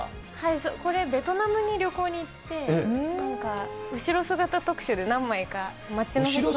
そう、これ、ベトナムに旅行に行って、なんか後ろ姿特集で何枚か、街の人の。